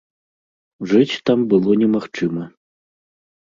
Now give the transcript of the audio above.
Жыць там было немагчыма.